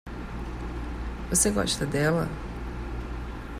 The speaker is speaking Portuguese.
Você gosta dela?